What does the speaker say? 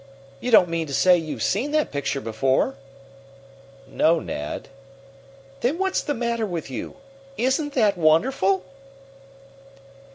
You don't mean to say you've seen that picture before?" "No, Ned." "Then what's the matter with you? Isn't that wonderful?"